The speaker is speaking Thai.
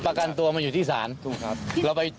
ประกันตัวมันอยู่ที่ศาล